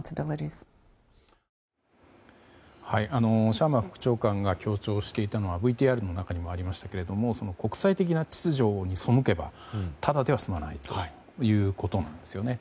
シャーマン副長官が強調していたのはＶＴＲの中にもありましたけど国際的な秩序に背けばただでは済まないということなんですよね。